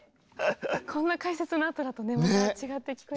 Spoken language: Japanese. こんな解説のあとだとねまた違って聞こえる。